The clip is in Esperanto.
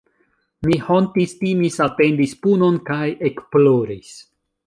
Mi hontis, timis, atendis punon kaj ekploris.